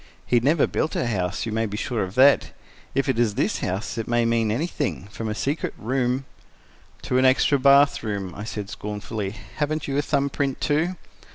He never built a house, you may be sure of that. If it is this house, it may mean anything, from a secret room—" "To an extra bath room," I said scornfully. "Haven't you a thumb print, too?"